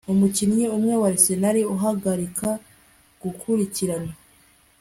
Umukinnyi umwe wa Arsenal uhagarika gukurikirana